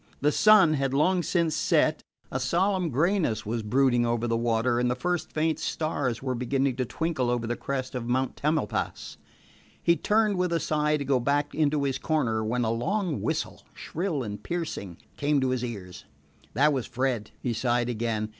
The sun had long since set; a solemn grayness was brooding over the water, and the first faint stars were beginning to twinkle over the crest of Mount Tamalpais. He turned, with a sigh, to go back into his corner, when a long whistle, shrill and piercing, came to his ears. That was Fred. He sighed again.